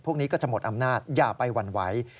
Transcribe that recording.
พวกนี้ก็จะหมดอำนาจอย่าไปหวั่นไหว